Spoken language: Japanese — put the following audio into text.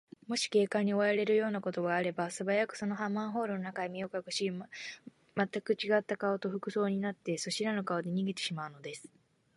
もし警官に追われるようなことがあれば、すばやく、そのマンホールの中へ身をかくし、まったくちがった顔と服装とになって、そしらぬ顔で逃げてしまうのです。